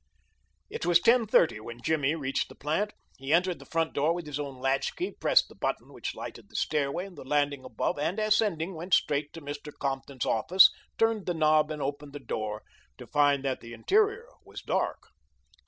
It was ten thirty when Jimmy reached the plant. He entered the front door with his own latchkey, pressed the button which lighted the stairway and the landing above, and, ascending, went straight to Mr. Compton's office, turned the knob, and opened the door, to find that the interior was dark.